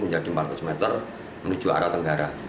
menjadi empat ratus meter menuju arah tenggara